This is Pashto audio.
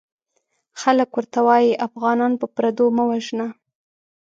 خلک ورته وايي افغانان په پردو مه وژنه!